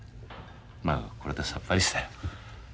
まあこれでさっぱりしたよ。